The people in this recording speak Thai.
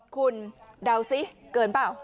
คุณเดาซิเกินเปล่า